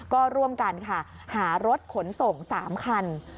ก็ร่วมกันค่ะหารถขนส่ง๓คัน